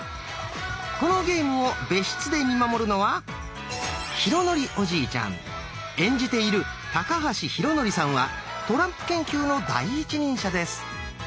このゲームを別室で見守るのは演じている高橋浩徳さんはトランプ研究の第一人者です。